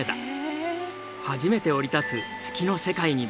初めて降り立つ月の世界に没入する。